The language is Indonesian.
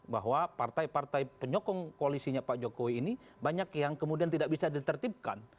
bahwa partai partai penyokong koalisinya pak jokowi ini banyak yang kemudian tidak bisa ditertibkan